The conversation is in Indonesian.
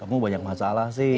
kamu banyak masalah sih